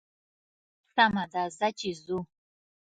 سمه ده ځه چې ځو.